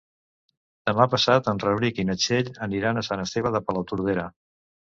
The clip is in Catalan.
Demà passat en Rauric i na Txell aniran a Sant Esteve de Palautordera.